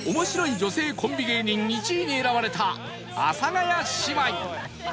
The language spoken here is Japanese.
女性コンビ芸人」１位に選ばれた阿佐ヶ谷姉妹